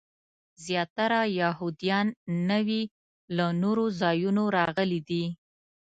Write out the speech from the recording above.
زیاتره یهودیان نوي له نورو ځایونو راغلي دي.